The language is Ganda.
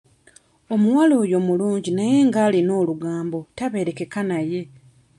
Omuwala oyo mulungi naye nga alina olugambo tabeereka naye.